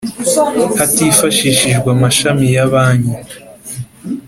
Hatifashishijwe amashami ya banki